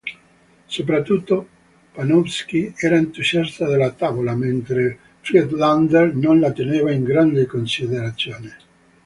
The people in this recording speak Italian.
Soprattutto Panofsky era entusiasta della tavola, mentre Friedländer non la teneva in grande considerazione.